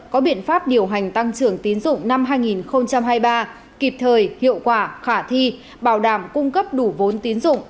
có biện pháp điều hành tăng trưởng tín dụng năm hai nghìn hai mươi ba kịp thời hiệu quả khả thi bảo đảm cung cấp đủ vốn tín dụng